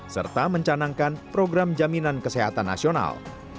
serta mencanangkan program jaminan kesehatan nasional